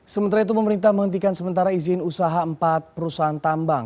sementara itu pemerintah menghentikan sementara izin usaha empat perusahaan tambang